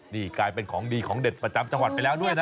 นี่กลายเป็นของดีของเด็ดประจำจังหวัดไปแล้วด้วยนะ